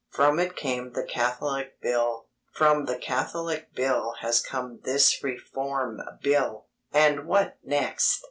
From it came the Catholic Bill. From the Catholic Bill has come this Reform Bill! And what next?